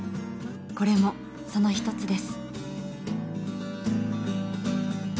これもその一つです。